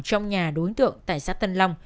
trong nhà đối tượng tại sát tân long